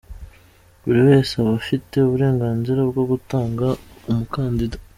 Buri wese aba afite uburenganzira bwo gutanga umukandida.